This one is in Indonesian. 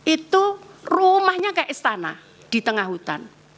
itu rumahnya kayak istana di tengah hutan